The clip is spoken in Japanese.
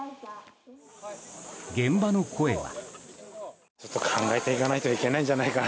現場の声は。